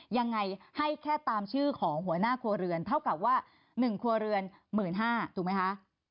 ยังไงให้แค่ตามชื่อของหัวหน้าครัวเรือนเท่ากับว่า๑ครัวเรือน๑๕๐๐ถูกไหมคะ